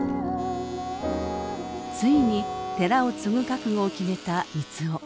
ついに寺を継ぐ覚悟を決めた三生。